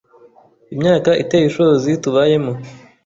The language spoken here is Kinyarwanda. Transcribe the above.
imyaka iteye ishozi tubayemo!